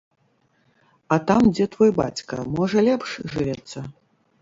А там, дзе твой бацька, можа лепш жывецца?